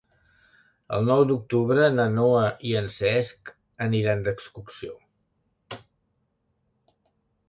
El nou d'octubre na Noa i en Cesc aniran d'excursió.